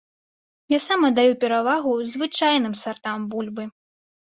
Я сам аддаю перавагу звычайным сартам бульбы.